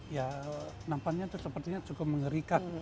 ya nampaknya itu sepertinya cukup mengerikan